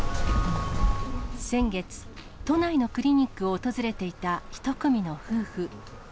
先月、都内のクリニックを訪れていた１組の夫婦。